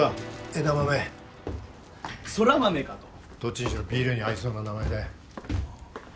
枝豆空豆かとどっちにしろビールに合いそうな名前だよ